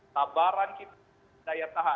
tabaran kita daya tahan